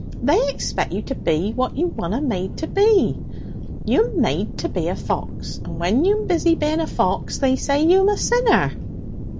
They expect you to be what you wanna made to be. You'm made to be a fox; and when you'm busy being a fox they say you'm a sinner!'